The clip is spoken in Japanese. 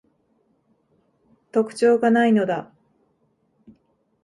特徴が無いのだ